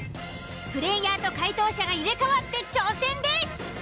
プレイヤーと解答者が入れ代わって挑戦です。